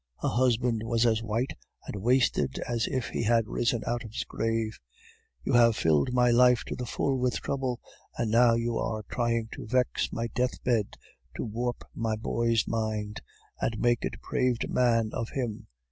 Her husband was as white and wasted as if he had risen out of his grave. "'You have filled my life to the full with trouble, and now you are trying to vex my deathbed, to warp my boy's mind, and make a depraved man of him!